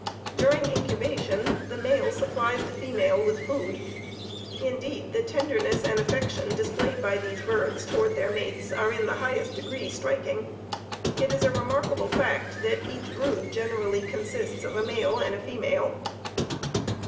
During incubation, the male supplies the female with food. Indeed, the tenderness and affection displayed by these birds toward their mates, are in the highest degree striking. It is a remarkable fact that each brood generally consists of a male and a female.